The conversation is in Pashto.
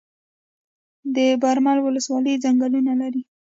د برمل ولسوالۍ ځنګلونه لري